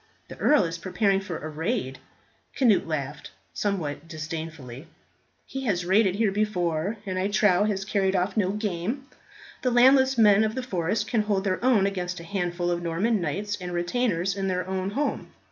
The earl is preparing for a raid." Cnut laughed somewhat disdainfully. "He has raided here before, and I trow has carried off no game. The landless men of the forest can hold their own against a handful of Norman knights and retainers in their own home."